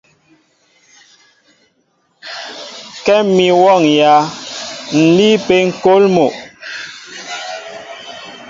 Kɛ́m mi wɔ́ŋyǎ, ǹ líí ápé ŋ̀kôl mol.